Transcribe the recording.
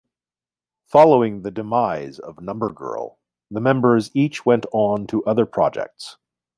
Following the demise of Number Girl, the members each went on to other projects.